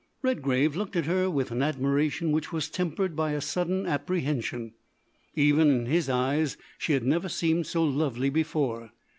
Redgrave looked at her with an admiration which was tempered by a sudden apprehension. Even in his eyes she had never seemed so lovely before.